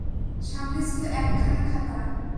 সামনে ছিল একখানা খাতা।